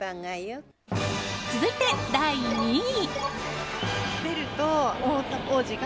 続いて、第２位。